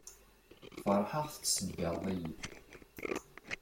Feṛḥeɣ tettṣebbiṛeḍ-iyi.